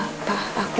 ah pak aku